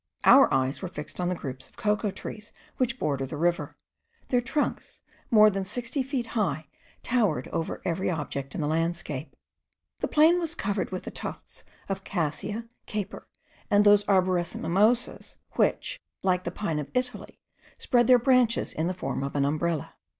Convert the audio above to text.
Our eyes were fixed on the groups of cocoa trees which border the river: their trunks, more than sixty feet high, towered over every object in the landscape. The plain was covered with the tufts of Cassia, Caper, and those arborescent mimosas, which, like the pine of Italy, spread their branches in the form of an umbrella.